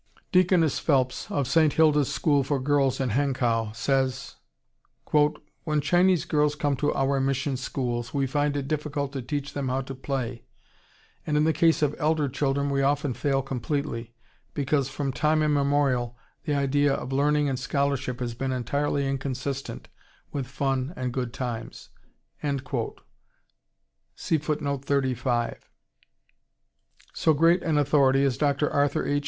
Deaconess Phelps of St. Hilda's School for girls in Hankow says: "When Chinese girls come to our mission schools we find it difficult to teach them how to play, and in the case of elder children we often fail completely, because from time immemorial the idea of learning and scholarship has been entirely inconsistent with fun and good times." So great an authority as Dr. Arthur H.